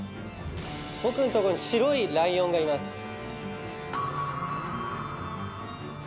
僕んとこに白いライオンがいます